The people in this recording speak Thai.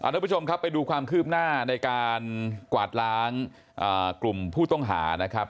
ทุกผู้ชมครับไปดูความคืบหน้าในการกวาดล้างกลุ่มผู้ต้องหานะครับ